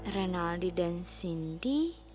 renaldi dan cindy